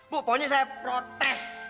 pokoknya saya protes